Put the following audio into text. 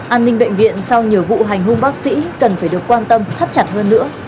an ninh bệnh viện sau nhiều vụ hành hung bác sĩ cần phải được quan tâm thắt chặt hơn nữa